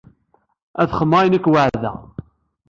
Ad xedmeɣ ayen i k-weɛdeɣ.